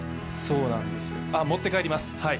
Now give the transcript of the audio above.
あ、持って帰ります。